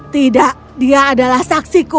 tidak dia adalah saksiku